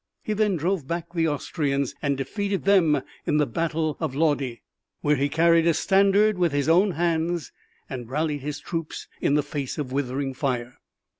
He then drove back the Austrians and defeated them in the battle of Lodi, where he carried a standard with his own hands and rallied his troops in the face of a withering fire.